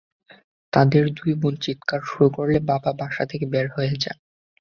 তাদের দুই বোন চিৎকার শুরু করলে বাবা বাসা থেকে বের হয়ে যান।